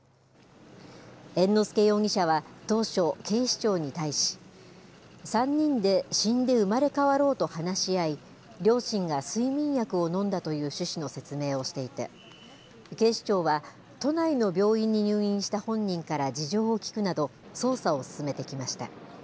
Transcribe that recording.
猿之助容疑者は当初、警視庁に対し、３人で死んで生まれ変わろうと話し合い、両親が睡眠薬を飲んだという趣旨の説明をしていて、警視庁は都内の病院に入院した本人から事情を聴くなど、捜査を進めてきました。